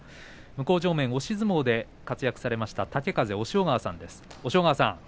向正面の、押し相撲で活躍された豪風の押尾川さん